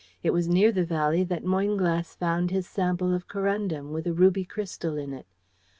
It was near the valley that Moynglass found his sample of corundum, with a ruby crystal in it.